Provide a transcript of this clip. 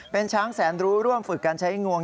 เป็นช้างแสนรู้ร่วมฝึกการใช้งวง